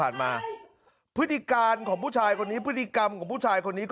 งาน